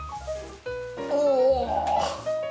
おお。